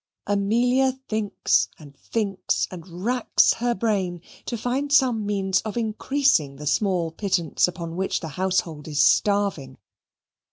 Amelia thinks, and thinks, and racks her brain, to find some means of increasing the small pittance upon which the household is starving.